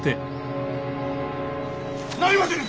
なりませぬ！